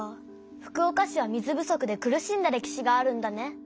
福岡市は水不足で苦しんだ歴史があるんだね。